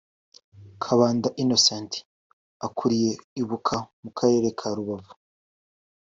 Kabanda Innocent ukuriye ibuka mu karere ka Rubavu